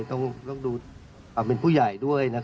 ต้องดูระหว่างเป็นผู้ใหญ่ด้วย